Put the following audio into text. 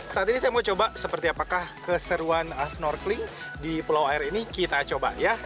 saat ini saya mau coba seperti apakah keseruan snorkeling di pulau air ini kita coba ya